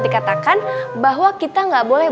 dikatakan bahwa kita nggak boleh